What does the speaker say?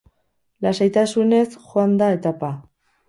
Lasaitasunez joan da etapa.